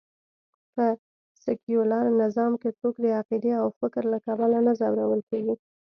په سکیولر نظام کې څوک د عقېدې او فکر له کبله نه ځورول کېږي